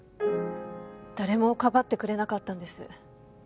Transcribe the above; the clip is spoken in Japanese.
誰も庇ってくれなかったんです